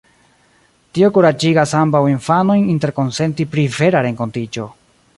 Tio kuraĝigas ambaŭ infanojn interkonsenti pri "vera" renkontiĝo.